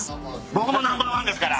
僕もナンバーワンですから。